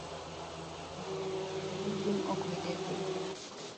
Tin tin ok midekre.